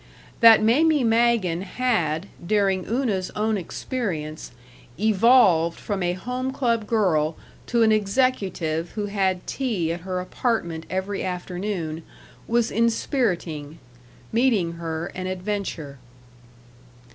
That Mamie Magen had, during Una's own experience, evolved from a Home Club girl to an executive who had tea at her apartment every afternoon was inspiriting; meeting her an adventure.